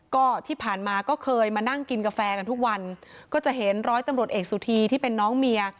ก็ที่ผ่านมาก็เคยมานั่งกินกาแฟกันทุกวันก็จะเห็นร้อยตำรวจเอกสุธีที่เป็นน้องเมีย